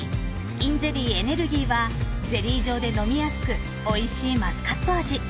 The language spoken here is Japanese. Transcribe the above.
ｉｎゼリーエネルギーはゼリー状で飲みやすくおいしいマスカット味。